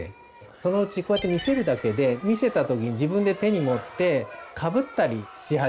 そのうちこうやって見せるだけで見せた時に自分で手に持ってかぶったりし始める。